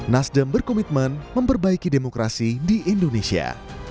nasdem berkomitmen memperbaiki demokrasi di indonesia